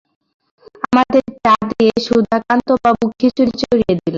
আমাদের চা দিয়ে সুধাকান্তবাবু খিচুড়ি চড়িয়ে দিলেন।